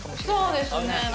そうですね。